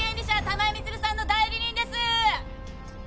玉井充さんの代理人です！